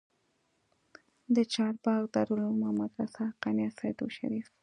د چارباغ دارالعلوم او مدرسه حقانيه سېدو شريف